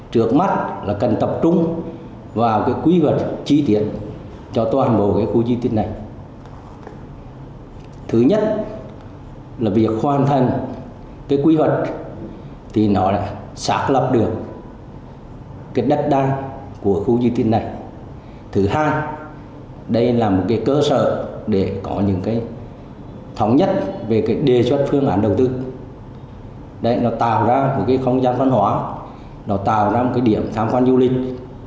phương án đầu tư tạo ra một không gian văn hóa tạo ra một địa điểm tham quan du lịch